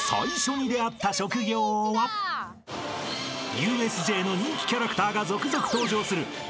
［ＵＳＪの人気キャラクターが続々登場するＮＯＬＩＭＩＴ！